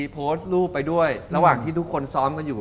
โพสต์รูปไปด้วยระหว่างที่ทุกคนซ้อมกันอยู่